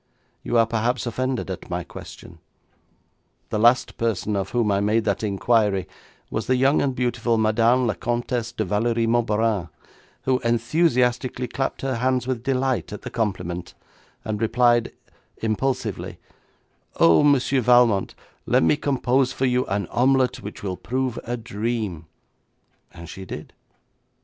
You are perhaps offended at my question. The last person of whom I made that inquiry was the young and beautiful Madame la Comtesse de Valérie Moberanne, who enthusiastically clapped her hands with delight at the compliment, and replied impulsively, '"Oh, Monsieur Valmont, let me compose for you an omelette which will prove a dream," and she did.